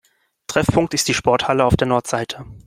Treffpunkt ist die Sporthalle auf der Nordseite.